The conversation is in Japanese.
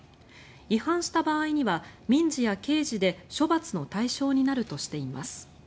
違反した場合には民事や刑事で処罰の対象になるとしています。